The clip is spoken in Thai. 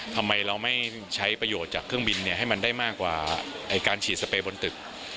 ทำไมเราไม่ใช้ประโยชน์จากเครื่องบินให้มันได้มากกว่าการฉีดสเปย์บนตึก